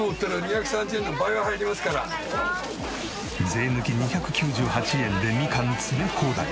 税抜き２９８円でみかん詰め放題。